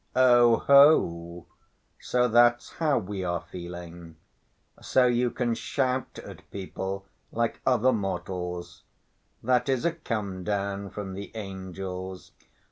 "Oho! So that's how we are feeling! So you can shout at people like other mortals. That is a come‐down from the angels.